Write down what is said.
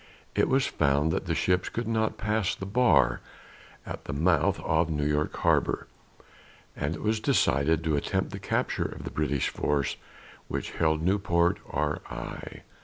It was found that the ships could not pass the bar at the mouth of New York harbor, and it was decided to attempt the capture of the British force which held Newport, R. I.